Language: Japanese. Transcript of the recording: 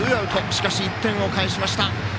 しかし１点を返しました。